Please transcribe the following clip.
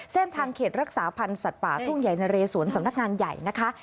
เส้นทางเขตรักษาพันธ์สัตว์ป่าทุ่งใหญ่นะเรสวนสำนักงานใหญ่นะคะ